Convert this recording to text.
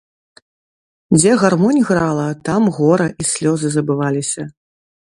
Дзе гармонь грала, там гора і слёзы забываліся.